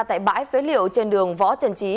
tại bãi phế liệu trên đường võ trần chí